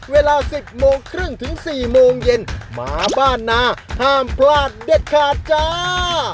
เวลา๑๐โมงครึ่งถึง๔โมงเย็นมาบ้านนาห้ามพลาดเด็ดขาดจ้า